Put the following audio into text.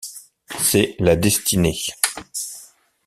C’est la destinée.